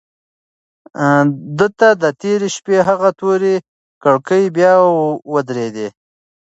ده ته د تېرې شپې هغه تورې کړکۍ بیا ودرېدې.